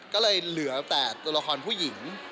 ก็เลยเหลือแต่ตัวละครผู้หญิง